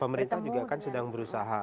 pemerintah juga kan sedang berusaha